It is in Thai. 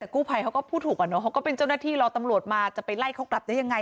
กู้ภัยเขาก็พูดถูกอ่ะเนอะเขาก็เป็นเจ้าหน้าที่รอตำรวจมาจะไปไล่เขากลับได้ยังไง